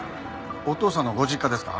お父さんのご実家ですか？